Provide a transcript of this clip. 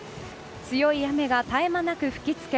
強い雨が絶え間なく吹き付け